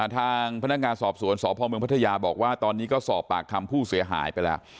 ทางพนักงานสอบสวนสพเมืองพัทยาบอกว่าตอนนี้ก็สอบปากคำผู้เสียหายไปแล้ว